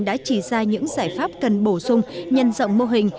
các trường ngành đã chỉ ra những giải pháp cần bổ sung nhân dọng mô hình